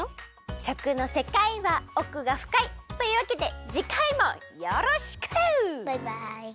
しょくのせかいはおくがふかい！というわけでじかいもよろしく！バイバイ！